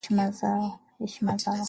Heshima zao.